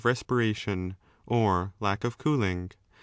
respiration or lack of cooling.